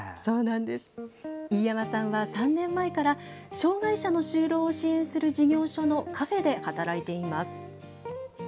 飯山さんは、３年前から障害者の就労を支援する事業所のカフェで働いています。